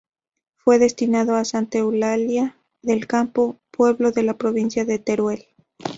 Fue destinado a Santa Eulalia del Campo, pueblo de la provincia de Teruel.